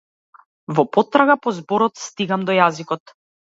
Во потрага по зборот стигам до јазикот.